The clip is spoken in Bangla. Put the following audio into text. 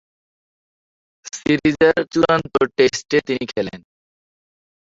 সিরিজের চূড়ান্ত টেস্টে তিনি খেলেন।